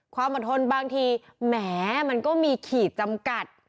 ความอดทนบางทีแหมมันก็มีขีดจำกัด